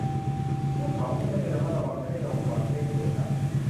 พวกเขาก็ไม่ได้ระมัดระวัง ไม่ได้ลงกลอนเช่นเดียวกัน